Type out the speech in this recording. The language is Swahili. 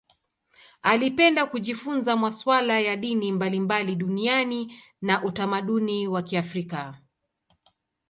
Alipenda kujifunza masuala ya dini mbalimbali duniani na utamaduni wa Kiafrika.